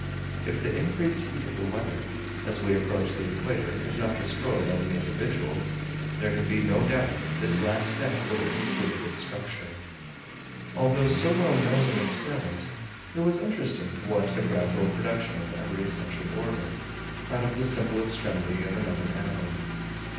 If the increased heat of the weather, as we approached the equator, had not destroyed all the individuals, there can be no doubt that this last step would have completed its structure. Although so well known an experiment, it was interesting to watch the gradual production of every essential organ, out of the simple extremity of another animal.